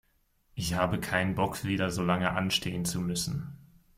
Ich habe keinen Bock, wieder so lange anstehen zu müssen.